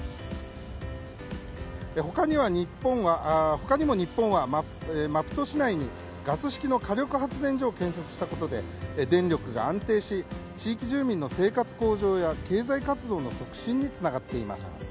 他にも日本はマプト市内にガス式の火力発電所を建設したことで電力が安定し地域住民の生活向上や経済活動の促進につながっています。